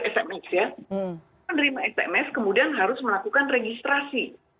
si penerima sms kemudian harus melakukan registrasi